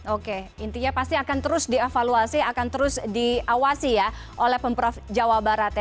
oke intinya pasti akan terus dievaluasi akan terus diawasi ya oleh pemprov jawa barat ya